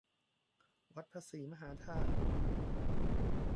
วัดพระศรีมหาธาตุ